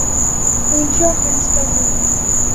اونچا ہنستا ہوں